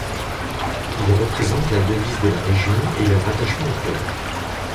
Ils représentent la devise de la région et leur attachement au club.